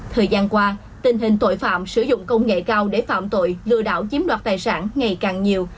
thời gian qua tình hình tội phạm sử dụng công nghệ cao để phạm tội lừa đảo chiếm đoạt tài sản ngày càng nhiều